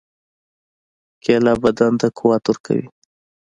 کېله بدن ته قوت ورکوي.